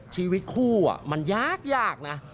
ชีวิตคู่มันยากนะ